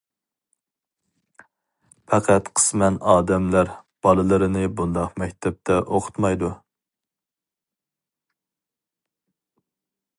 پەقەت قىسمەن ئادەملەر بالىلىرىنى بۇنداق مەكتەپتە ئوقۇتمايدۇ.